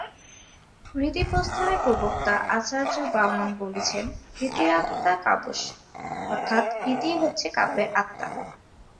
রীতিপ্রস্থানের প্রবক্তা আচার্য বামন বলেছেন: রীতিরাত্মা কাব্যস্য, অর্থাৎ রীতিই হচ্ছে কাব্যের আত্মা।